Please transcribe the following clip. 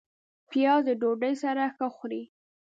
پیاز د ډوډۍ سره ښه خوري